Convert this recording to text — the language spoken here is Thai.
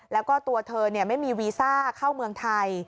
แล้วก็ตัวเธอไม่มีวีซ่าเข้าเมืองไทย